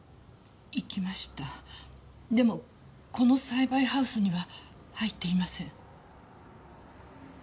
でもこの栽培ハウスには入っていません。